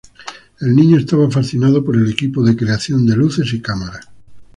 El niño estaba fascinado por el equipo de creación de luces y cámaras.